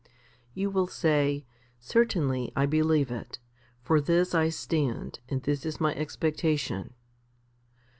4. You will say, "Certainly I believe it. For this I stand, and this is my expectation.".